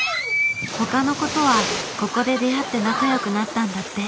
他の子とはここで出会って仲良くなったんだって。